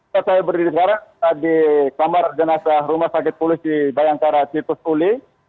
saya berdiri sekarang di kamar jenazah rumah sakit pulus di bayangkara cipusuli